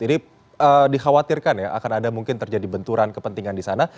ini dikhawatirkan ya akan ada mungkin terjadi benturan kepentingan di sana